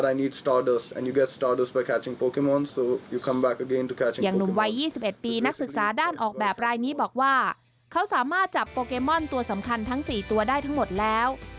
อย่างหนุ่มวัย๒๑ปีนักศึกษาด้านออกแบบรายนี้บอกว่าเขาสามารถจับโปเกมอนตัวสำคัญทั้ง๔ตัวได้ทั้งหมดแล้ว